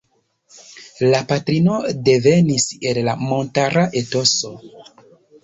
La patrino devenis el montara etoso.